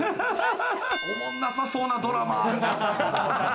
おもんなさそうなドラマ。